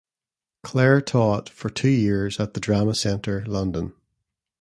Claire taught for two years at the Drama Centre London.